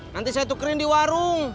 nanti saya tukerin di warung